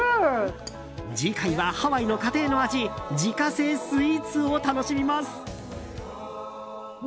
次回はハワイの家庭の味自家製スイーツを楽しみます。